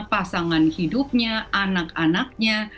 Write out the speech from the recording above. pasangan hidupnya anak anaknya